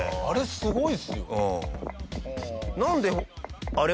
あれすごいですよね。